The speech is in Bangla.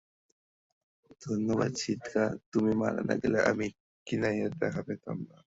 ধন্যবাদ সিটকা, তুমি মারা না গেলে, আমি কিনাইয়ের দেখা পেতাম না।